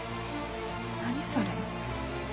何それ。